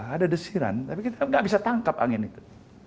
ada desiran tapi kita nggak bisa tangkap angin itu